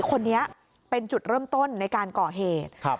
คนนี้เป็นจุดเริ่มต้นในการก่อเหตุ